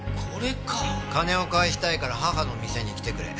金を返したいから母の店に来てくれ。